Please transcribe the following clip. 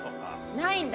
「ないんだ」